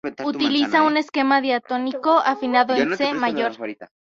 Utiliza un esquema diatónico, afinado en C mayor.